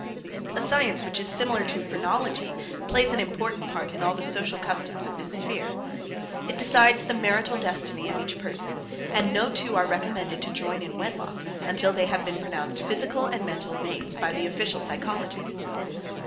A science which is similar to Phrenology plays an important part in all the social customs of this sphere. It decides the marital destiny of each person, and no two are recommended to join in wedlock until they have been pronounced physical and mental mates by the official psychologists.